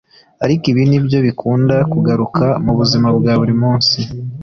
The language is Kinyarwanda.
ariko ibi nibyo bikunda kugaruka mu buzima bwa burimunsi